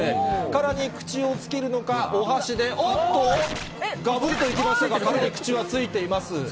殻に口をつけるのか、お箸で、おっと、がぶりといきましたが、殻に口は、ついています。